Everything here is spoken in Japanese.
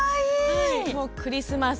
クリスマス